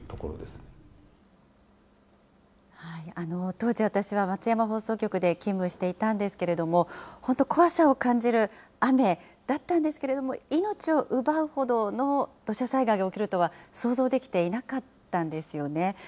当時、私は松山放送局で勤務していたんですけれども、本当、怖さを感じる雨だったんですけれども、命を奪うほどの土砂災害が起きるとは想像できていなかったんですよね。